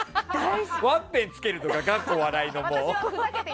ワッペンつけるとかの。